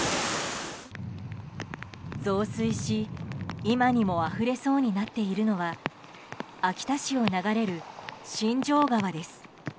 増水し、今にもあふれそうになっているのは秋田市を流れる新城川です。